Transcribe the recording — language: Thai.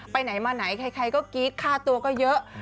ไปไหนมาไหนใครก็กรี๊ดค่าตัวก็เยอะ